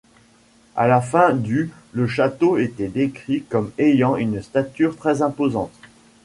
À la fin du le château était décrit comme ayant une stature très imposante.